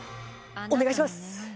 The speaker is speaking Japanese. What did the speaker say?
お願いします